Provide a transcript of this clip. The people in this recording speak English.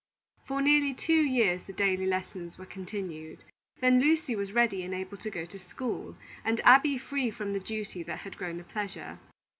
For nearly two years the daily lessons were continued; then Lucy was ready and able to go to school, and Abby free from the duty that had grown a pleasure.